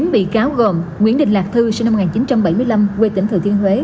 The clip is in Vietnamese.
bốn bị cáo gồm nguyễn đình lạc thư sinh năm một nghìn chín trăm bảy mươi năm quê tỉnh thừa thiên huế